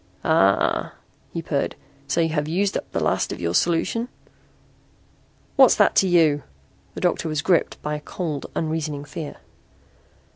"Ah," he purred. "So you have used up the last of your solution?" "What's that to you?" The doctor was gripped by cold unreasoning fear.